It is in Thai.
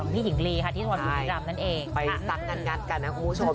ที่วันพี่ดำมนั่นเองไปซักงัดเงียดก่อนนะคะผู้ชมนะคะ